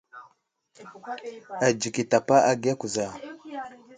Adzik i tapa agiya kuza.